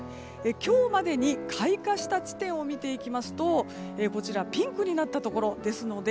今日までに開花した地点を見ていきますとピンクになったところですので